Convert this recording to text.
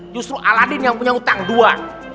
justru aladin yang punya utang dua